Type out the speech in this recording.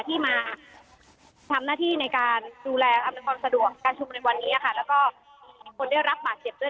ที่มาทำหน้าที่ในการดูแลภรรยาควรสะดวกการชุมในวันนี้และเขียนคนหรับบาดเสียบด้วย